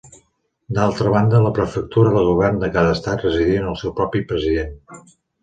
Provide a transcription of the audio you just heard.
D'altra banda, la Prefectura del Govern de cada Estat residia en el seu propi president.